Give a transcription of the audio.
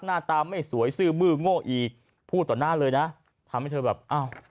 หน้าตาไม่สวยซื่อมื้อโง่อีกพูดต่อหน้าเลยนะทำให้เธอแบบอ้าว